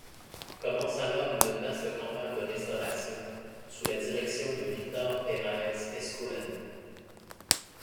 Commence alors une vaste campagne de restauration, sous la direction de Víctor Pérez Escolano.